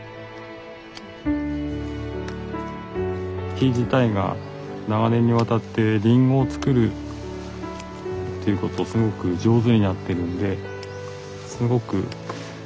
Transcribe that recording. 木自体が長年にわたってりんごを作るっていうことをすごく上手になってるんですごくいいりんごがなるんですよね